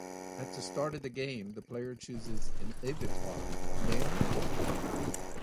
At the start of the game, the player chooses an avatar, male or female.